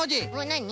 なに？